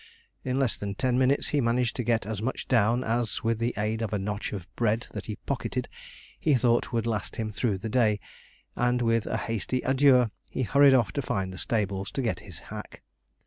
In less than ten minutes, he managed to get as much down as, with the aid of a knotch of bread that he pocketed, he thought would last him through the day; and, with a hasty adieu, he hurried off to find the stables, to get his hack.